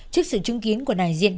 trước sự chứng kiến của đại diện